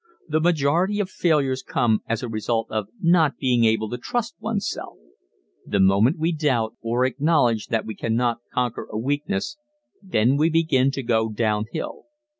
_ The majority of failures come as a result of not being able to trust one's self. The moment we doubt, or acknowledge that we cannot conquer a weakness, then we begin to go down hill.